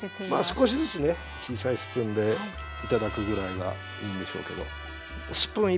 少しずつね小さいスプーンで頂くぐらいがいいんでしょうけど。